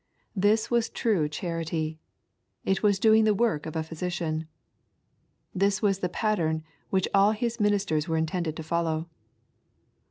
This was true charity. This was doing the work of a physician. This was the pattern which all His ministers were intended to follow.